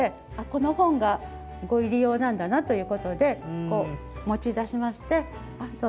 この本がご入り用なんだなということでこう持ち出しまして「どうぞご利用下さい」と。